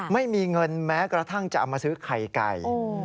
ไม่มีเงินแม้กระทั่งจะเอามาซื้อไข่ไก่